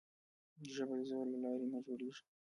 ژبه د زور له لارې نه جوړېږي.